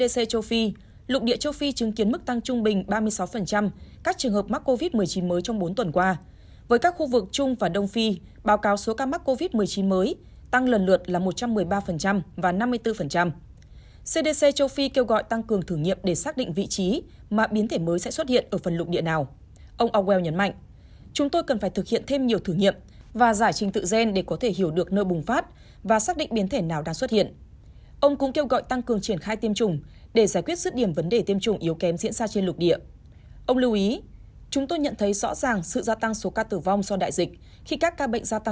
năm quốc gia châu phi báo cáo số ca mắc covid một mươi chín mới được xác nhận cao nhất trong một tuần qua